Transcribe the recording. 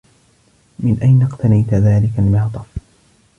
من أين اقتنيت ذلك المعطف؟